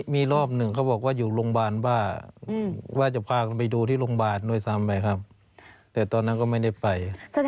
มีรอบหนึ่งเขาบอกว่าอยู่โรงพยาบาลบ้าว่าจะพากันไปดูที่โรงพยาบาลด้วยซ้ำไปครับแต่ตอนนั้นก็ไม่ได้ไป